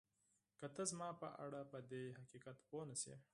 که ته زما په اړه پدې حقیقت پوه نه شې